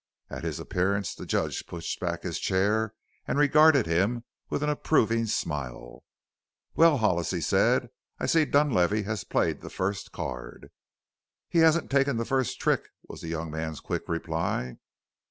At his appearance the Judge pushed back his chair and regarded him with an approving smile. "Well, Hollis," he said, "I see Dunlavey has played the first card." "He hasn't taken the first trick," was the young man's quick reply.